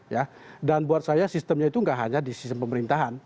ya dan buat saya sistemnya itu nggak hanya di sistem pemerintahan